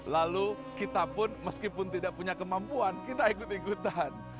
lalu kita pun meskipun tidak punya kemampuan kita ikut ikutan